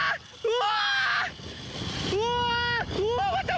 うわ！